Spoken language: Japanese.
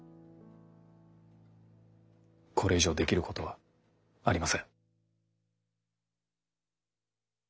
これ以上できることはありません。